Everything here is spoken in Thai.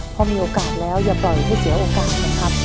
พอมีโอกาสแล้วอย่าปล่อยให้เสียโอกาสให้มันครับ